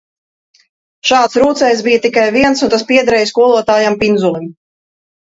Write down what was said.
Šāds rūcējs bija tikai viens un tas piederēja skolotājam Pinzulim.